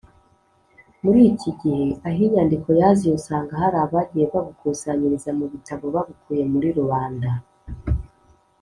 muri iki gihe aho inyandiko yaziye usanga hari abagiye babukusanyiriza mu bitabo babukuye muri rubanda